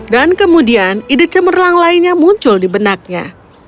kemudian ide cemerlang lainnya muncul di benaknya